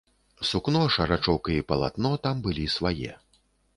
Сукно, шарачок і палатно там былі свае.